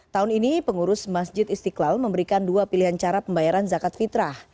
tahun ini pengurus masjid istiqlal memberikan dua pilihan cara pembayaran zakat fitrah